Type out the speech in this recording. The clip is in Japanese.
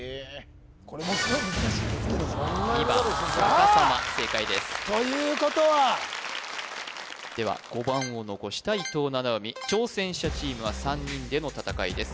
これもすごい難しいんですけど２番さかさま正解ですということはでは５番を残した伊藤七海挑戦者チームは３人での戦いです